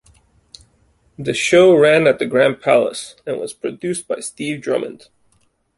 The show ran at the Grand Palace and was produced by Steve Drummond.